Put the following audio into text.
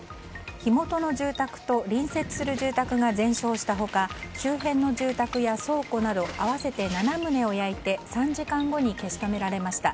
火元の住宅と隣接する住宅が全焼した他周辺の住宅や倉庫など合わせて７棟を焼いて３時間後に消し止められました。